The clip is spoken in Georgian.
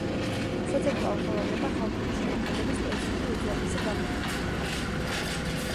საცეკვაო ხელოვნება ხალხური შემოქმედების ერთ-ერთი უძველესი გამოვლინებაა.